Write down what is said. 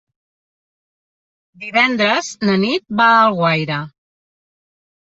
Divendres na Nit va a Alguaire.